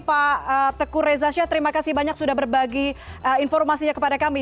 pak tekur rezasha terima kasih banyak sudah berbagi informasinya kepada kami